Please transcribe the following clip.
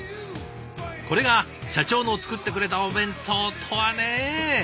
これが社長の作ってくれたお弁当とはね！